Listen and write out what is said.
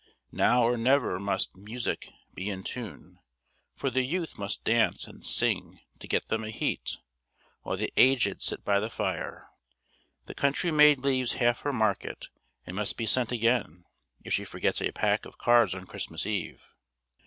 Now or never must music be in tune, for the youth must dance and sing to get them a heat, while the aged sit by the fire. The country maid leaves half her market, and must be sent again, if she forgets a pack of cards on Christmas eve.